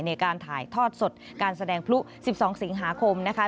ในการถ่ายทอดสดการแสดงพลุ๑๒สิงหาคมนะคะ